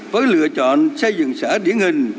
với lựa chọn xây dựng xã điển hình